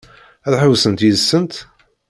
Ad ḥewwsent yid-sent?